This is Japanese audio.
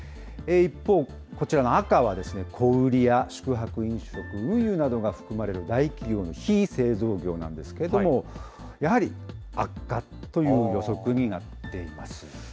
一方、こちらの赤は小売りや宿泊飲食、運輸などが含まれる大企業の非製造業なんですけれども、やはり悪化という予測になっています。